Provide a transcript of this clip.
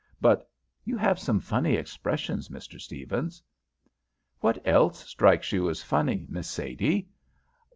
But you have some funny expressions, Mr. Stephens!" "What else strikes you as funny, Miss Sadie?"